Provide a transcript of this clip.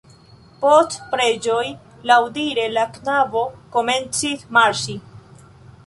Post preĝoj, laŭdire la knabo komencis marŝi.